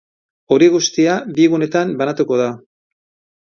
Hori guztia bi gunetan banatuko da.